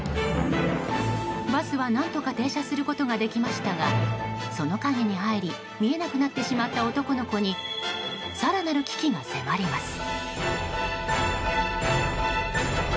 バスは、何とか停車することができましたがその陰に入り見えなくなってしまった男の子に更なる危機が迫ります。